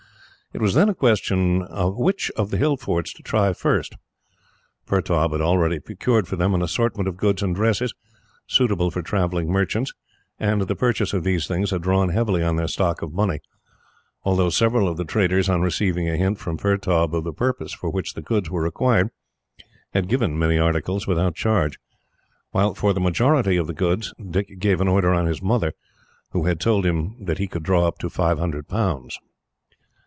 It was then a question which of the hill forts to try first. Pertaub had already procured for them an assortment of goods and dresses, suitable for travelling merchants, and the purchase of these things had drawn heavily on their stock of money; although several of the traders, on receiving a hint from Pertaub of the purpose for which the goods were required, had given many articles without charge; while for the majority of the goods Dick gave an order on his mother, who had told him that he could draw up to five hundred pounds.